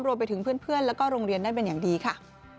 รวมไปถึงเพื่อนแล้วก็โรงเรียนได้เป็นอย่างดีค่ะ